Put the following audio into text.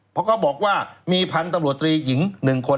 เพราะก็บอกว่ามีพันตำรวจตรีหญิงหนึ่งคน